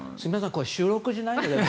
これは収録じゃないので。